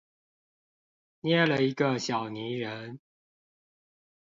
捏了一個小泥人